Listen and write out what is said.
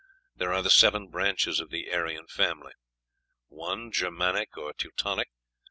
There are seven branches of the Aryan family: 1. Germanic or Teutonic; 2.